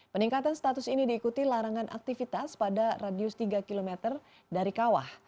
peningkatan status ini diikuti larangan aktivitas pada radius tiga km dari kawah